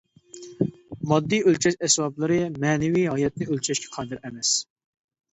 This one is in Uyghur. ماددىي ئۆلچەش ئەسۋابلىرى مەنىۋى ھاياتنى ئۆلچەشكە قادىر ئەمەس.